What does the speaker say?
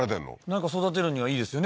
なんか育てるにはいいですよね